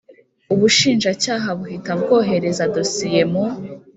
Ubushinjacyaha buhita bwohereza dosiye mu